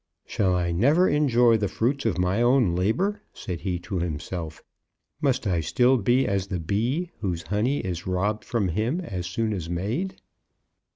"Shall I never enjoy the fruits of my own labour?" said he to himself. "Must I still be as the bee, whose honey is robbed from him as soon as made?